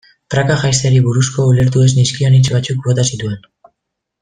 Praka jaisteari buruzko ulertu ez nizkion hitz batzuk bota zituen.